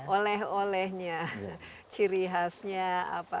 oleh olehnya ciri khasnya apa